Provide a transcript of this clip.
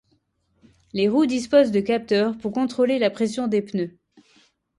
Les roues disposent de capteurs pour contrôler la pression des pneus.